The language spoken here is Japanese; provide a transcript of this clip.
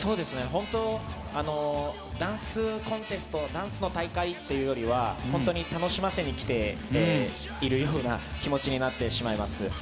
本当、ダンスコンテスト、ダンスの大会っていうよりは、本当に楽しませに来ているような気持ちになってしまいます。